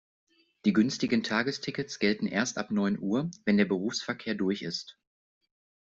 Die günstigen Tagestickets gelten erst ab neun Uhr, wenn der Berufsverkehr durch ist.